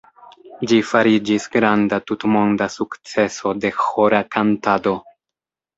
Ĝi fariĝis granda tutmonda sukceso de ĥora kantado.